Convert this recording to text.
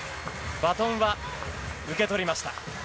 バトンは受け取りました。